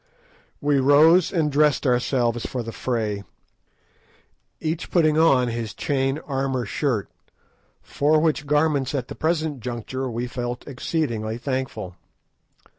We rose and dressed ourselves for the fray, each putting on his chain armour shirt, for which garments at the present juncture we felt exceedingly thankful.